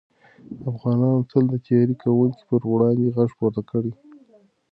افغانانو تل د تېري کوونکو پر وړاندې غږ پورته کړی.